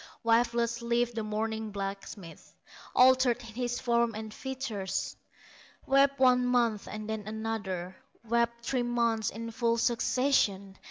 Wifeless lived the mourning blacksmith, Altered in his form and features; Wept one month and then another, Wept three months in full succession.